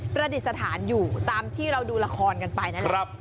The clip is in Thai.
ประดิษฐานอยู่ตามที่เราดูละครกันไปนั่นแหละ